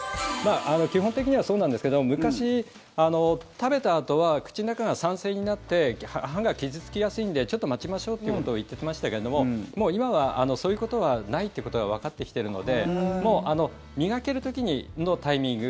基本的にはそうなんですけど昔、食べたあとは口の中が酸性になって歯が傷付きやすいんでちょっと待ちましょうと言ってきましたけれども今は、そういうことはないということがわかってきてるのでもう、磨ける時のタイミング。